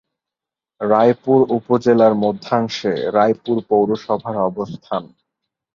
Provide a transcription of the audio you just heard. রায়পুর উপজেলার মধ্যাংশে রায়পুর পৌরসভার অবস্থান।